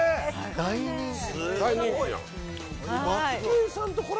大人気。